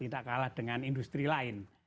tidak kalah dengan industri lain